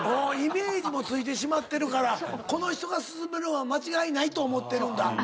イメージも付いてしまってるからこの人がすすめるんは間違いないと思ってるんだ。